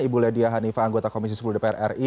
ibu lydia hanifa anggota komisi sepuluh dpr ri